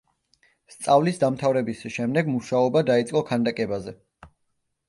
სწავლის დამთავრების შემდეგ მუშაობა დაიწყო ქანდაკებაზე.